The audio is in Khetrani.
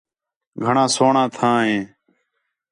گھݨاں سوہݨاں تھاں ہِے